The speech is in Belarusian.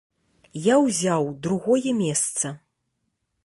Я ўзяў другое месца.